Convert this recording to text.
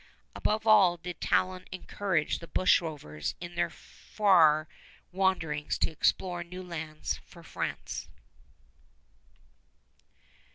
Above all did Talon encourage the bush rovers in their far wanderings to explore new lands for France.